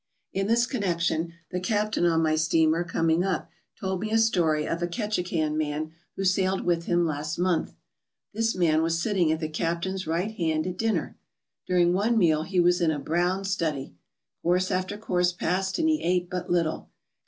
In this connection the captain on my steamer coming up told me a story of a Ketchikan man who sailed with him last month. This man was sitting at the captain's right hand at dinner. During one meal he was in a brown study. Course after course passed and he ate but little.